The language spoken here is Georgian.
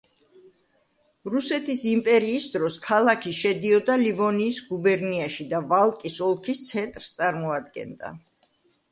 რუსეთის იმპერიის დროს ქალაქი შედიოდა ლივონიის გუბერნიაში და ვალკის ოლქის ცენტრს წარმოადგენდა.